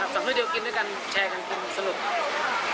สองคนเดียวกินด้วยกันแชร์กันกินสนุก